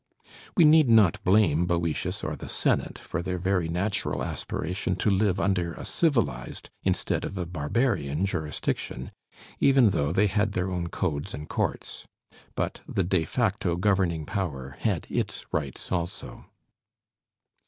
We need not blame Boëtius or the Senate for their very natural aspiration to live under a civilized instead of a barbarian jurisdiction, even though they had their own codes and courts; but the de facto governing power had its rights also.